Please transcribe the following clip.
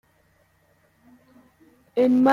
En mayo del mismo año los primeros llegaron a Inglaterra.